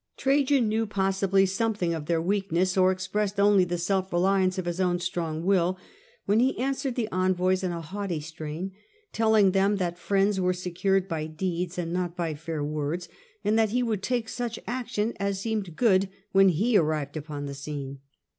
Trajan knew possibly something of their weakness, or expressed only the self reliance of his own strong will, when he answered the envoys in a haughty strain, telling them that friends were secured by deeds and not by fair words, and that he would take such action as seemed good when he arrived upon the scene.